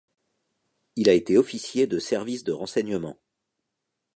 Il a été officier de service de renseignement.